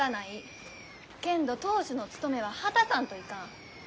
けんど当主の務めは果たさんといかん。